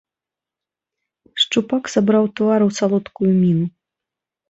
Шчупак сабраў твар у салодкую міну.